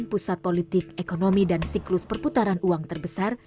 pusat politik ekonomi dan siklus perputaran uang terbesar